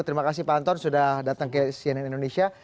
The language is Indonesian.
terima kasih pak anton sudah datang ke cnn indonesia